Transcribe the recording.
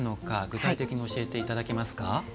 具体的に教えていただけますか。